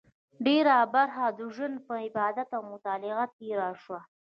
ډېره برخه ژوند یې په عبادت او مطالعه تېر شو.